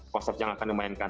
konsep yang akan dimainkan